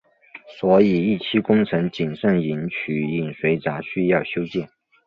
所以一期工程仅剩引渠进水闸需要修建。